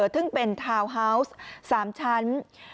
ซึ่งเป็นทาวน์ฮาวส์๓ชั้น